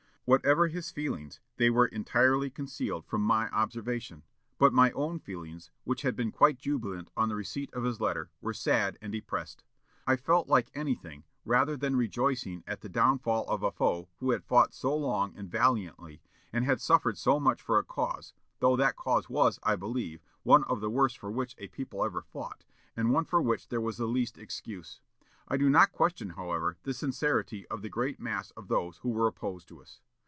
Whatever his feelings, they were entirely concealed from my observation; but my own feelings, which had been quite jubilant on the receipt of his letter, were sad and depressed. I felt like anything rather than rejoicing at the downfall of a foe who had fought so long and valiantly, and had suffered so much for a cause, though that cause was, I believe, one of the worst for which a people ever fought, and one for which there was the least excuse. I do not question, however, the sincerity of the great mass of those who were opposed to us.